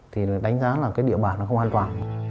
thì đánh giá là cái địa bản nó không an toàn